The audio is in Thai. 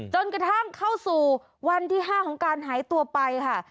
จนกระทั่งเข้าสู่วันที่๕ของการหายตัวไปค่ะ